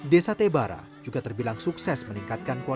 desa tebara juga terbilang sukses meningkatkan kualitas